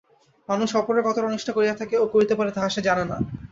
মানুষ অপরের কতটা অনিষ্ট করিয়া থাকে ও করিতে পারে, তাহা সে জানে না।